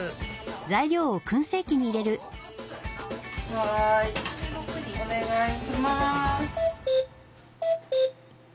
はいお願いします。